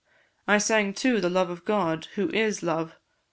I sang, too, the love of God, who is love.